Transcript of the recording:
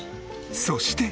そして。